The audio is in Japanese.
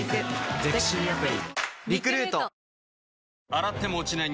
洗っても落ちない